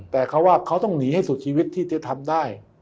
แต่เขาว่าเขาต้องหนีให้สุดชีวิตที่จะทำได้